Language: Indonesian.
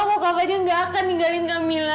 kalau kak fadil gak akan meninggalin kak mila